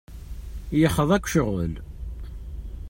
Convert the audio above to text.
Yexḍa-k ccɣel.